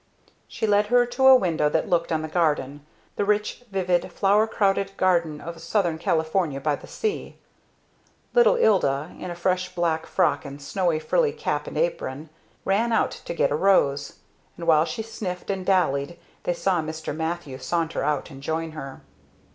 She led her to a window that looked on the garden, the rich, vivid, flower crowded garden of Southern California by the sea. Little Ilda, in a fresh black frock and snowy, frilly cap and apron, ran out to get a rose; and while she sniffed and dallied they saw Mr. Mathew saunter out and join her.